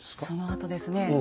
そのあとですね